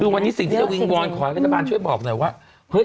คือวันนี้สิ่งที่วิงวอลขอให้กันบ้านช่วยบอกหน่อยว่า